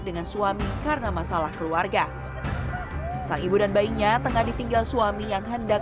dengan suami karena masalah keluarga sang ibu dan bayinya tengah ditinggal suami yang hendak